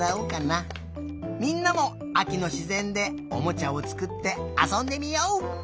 みんなもあきのしぜんでおもちゃをつくってあそんでみよう！